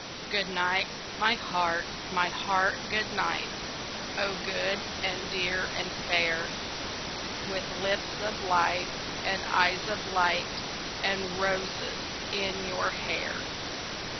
GOOD NIGHT, my Heart, my Heart, good night Oh, good and dear and fair, With lips of life and eyes of light And roses in your hair.